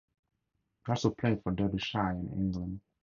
He also played for Derbyshire in England.